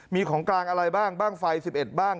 มีของกลางอะไรบ้างบ้างไฟ๑๑บ้าง